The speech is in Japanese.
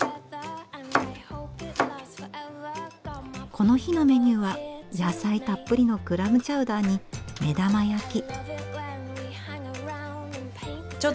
この日のメニューは野菜たっぷりのクラムチャウダーに目玉焼き。